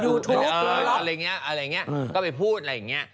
ยูทูปของเน็ตไอดัลก็พูดอะไรอย่างเงี้ย